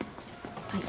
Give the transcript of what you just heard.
はい。